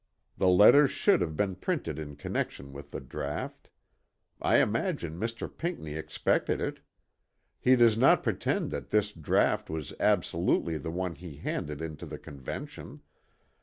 The letter should have been printed in connexion with the draught. I imagine Mr. Pinckney expected it. He does not pretend that this draught was absolutely the one he handed into the Convention.